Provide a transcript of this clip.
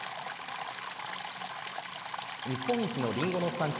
日本一のりんごの産地